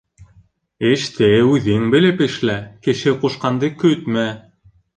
Эште үҙең белеп эшлә, кеше ҡушҡанды көтмә.